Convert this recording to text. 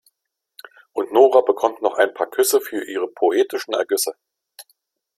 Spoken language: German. Und Nora bekommt noch ein paar Küsse für ihre poetischen Ergüsse.